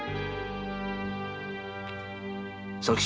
佐吉。